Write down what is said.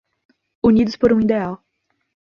Unidos por um ideal